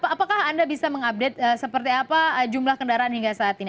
apakah anda bisa mengupdate seperti apa jumlah kendaraan hingga saat ini